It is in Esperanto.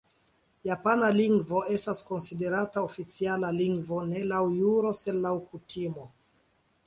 Japana lingvo estas konsiderata oficiala lingvo ne laŭ juro sed laŭ kutimo.